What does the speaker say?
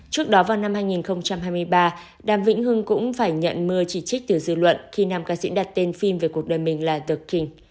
trước đó vào năm hai nghìn hai mươi ba đàm vĩnh hưng cũng phải nhận mưa chỉ trích từ dư luận khi nam ca sĩ đặt tên phim về cuộc đời mình là theng